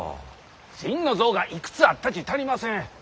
心の臓がいくつあったち足りません！